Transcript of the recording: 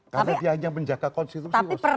karena dia hanya menjaga konstitusi